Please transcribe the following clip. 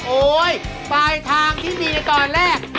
โอ๊ยปลายทางที่มีในตอนแรก